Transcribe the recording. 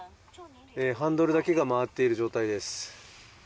ハンドルだけが回っている状態です。